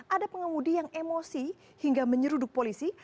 ada pengemudi yang emosi hingga menyeruduk polisi